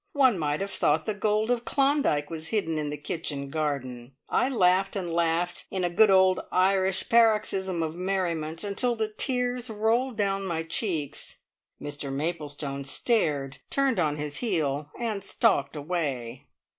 One might have thought the gold of Klondyke was hidden in the kitchen garden. I laughed, and laughed, in a good old Irish paroxysm of merriment, until the tears rolled down my cheeks. Mr Maplestone stared, turned on his heel, and stalked away.